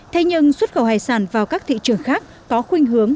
thế nhưng xuất khẩu hải sản vào các thị trường khác có khuyên hướng